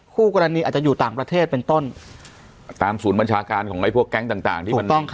คู่กรณีอาจจะอยู่ต่างประเทศเป็นต้นตามศูนย์บัญชาการของไอ้พวกแก๊งต่างต่างที่มันต้อง